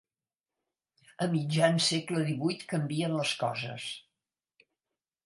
A mitjan segle divuit canvien les coses.